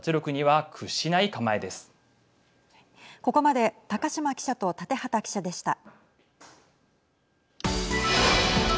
ここまで高島記者と建畠記者でした。